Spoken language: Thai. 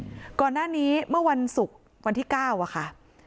ก่อนหน้านี้เมื่อวันศุกร์วันที่เก้าอะค่ะ